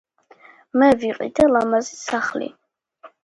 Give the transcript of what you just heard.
მე ვიყიდე ლამაზი სახლი